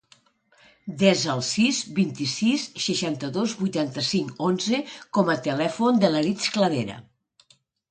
Desa el sis, vint-i-sis, seixanta-dos, vuitanta-cinc, onze com a telèfon de l'Aritz Cladera.